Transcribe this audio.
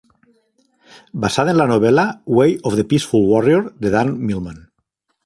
Basada en la novela "Way of the Peaceful Warrior" de Dan Millman.